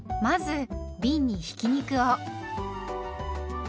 まずびんにひき肉を。